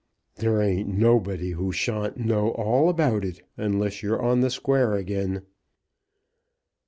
"There ain't nobody who shan't know all about it, unless you're on the square again."